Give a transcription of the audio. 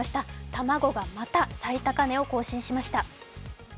卵がまた最高値を更新しました。